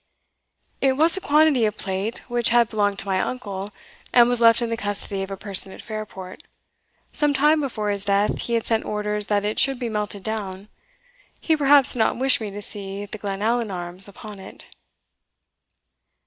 "It was a quantity of plate which had belonged to my uncle, and was left in the custody of a person at Fairport. Some time before his death he had sent orders that it should be melted down. He perhaps did not wish me to see the Glenallan arms upon it."